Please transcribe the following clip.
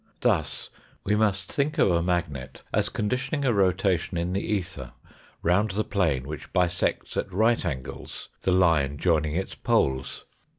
Thus, we must think of a .magnet as conditioning a rotation in the ether round the plane which bisects at right angles the line joining its poles.